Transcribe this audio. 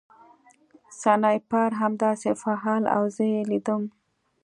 سنایپر همداسې فعال و او زه یې لیدلم